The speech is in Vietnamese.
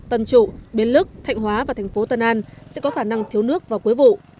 tân trụ biến lức thạnh hóa và thành phố tân an sẽ có khả năng thiếu nước vào cuối vụ